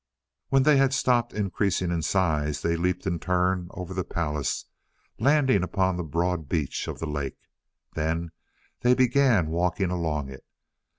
When they had stopped increasing in size, they leaped in turn over the palace, landing upon the broad beach of the lake. Then they began walking along it.